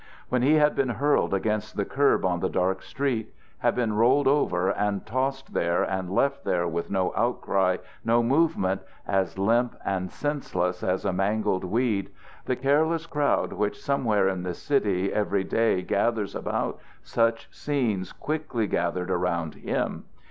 When he had been hurled against the curb on the dark street, had been rolled over and tossed there and left there with no outcry, no movement, as limp and senseless as a mangled weed, the careless crowd which somewhere in the city every day gathers about such scenes quickly gathered about him.